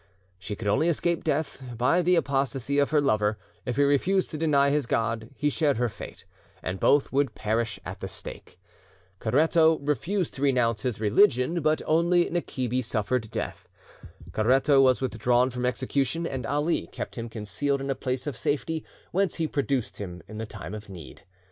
She could only escape death by the apostasy of her lover; if he refused to deny his God, he shared her fate, and both would perish at the stake. Caretto refused to renounce his religion, but only Nekibi suffered death. Caretto was withdrawn from execution, and Ali kept him concealed in a place of safety, whence he produced him in the time of need.